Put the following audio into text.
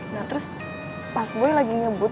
nah terus pas boy lagi nyebut